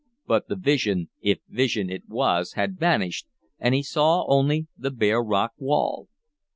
But the vision, if vision it was, had vanished, and he saw only the bare rock wall.